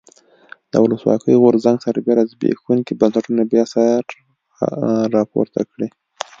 د ولسواکۍ غورځنګ سربېره زبېښونکي بنسټونه بیا سر راپورته کړي.